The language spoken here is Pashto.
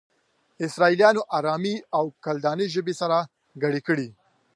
اسرائيليانو آرامي او کلداني ژبې سره گډې کړې.